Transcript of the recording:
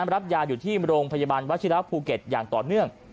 รับยาอยู่ที่โรงพยาบาลวัชิระภูเก็ตอย่างต่อเนื่อง